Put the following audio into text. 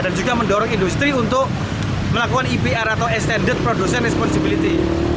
dan juga mendorong industri untuk melakukan ipr atau extended production responsibility